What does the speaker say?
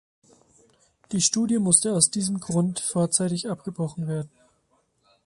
Die Studie musste aus diesem Grund vorzeitig abgebrochen werden.